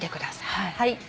はい。